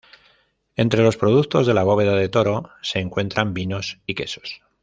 Entre los productos de La Bóveda de Toro se encuentran vinos y quesos.